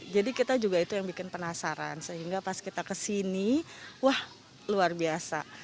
jadi kita juga itu yang bikin penasaran sehingga pas kita kesini wah luar biasa